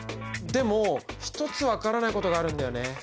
でも一つ分からないことがあるんだよね。